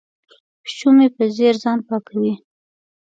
پیشو مې په ځیر ځان پاکوي.